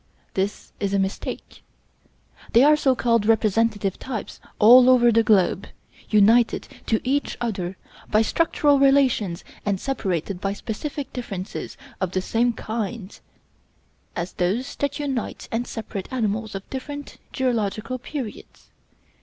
This is a mistake. They are so called representative types all over the globe, united to each other by structural relations and separated by specific differences of the same kind as those that unite and separate animals of different geological periods.